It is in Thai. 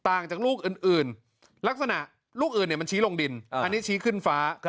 ต่างจากลูกอื่นลักษณะลูกอื่นมันชี้ลงดินอันนี้ชี้ขึ้นฟ้า